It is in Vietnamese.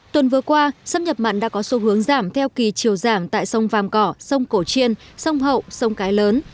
tuần vừa qua xâm nhập mặn đã có xu hướng giảm theo kỳ chiều giảm tại sông vàm cỏ sông cổ chiên sông hậu sông cái lớn